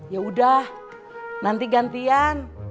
ya udah nanti gantian